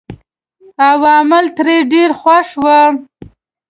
عوام ترې ډېر خوښ وو.